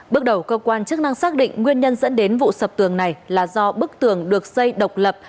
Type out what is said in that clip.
bước đầu cơ quan chức năng xác định nguyên nhân dẫn đến vụ sập tường này là do bức tường được xây độc lập